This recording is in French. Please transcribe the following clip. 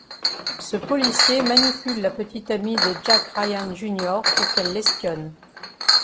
Ce policier manipule la petite amie de Jack Ryan Jr pour qu'elle l'espionne.